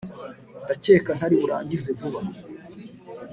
Ndacyeka ntari burangize vuba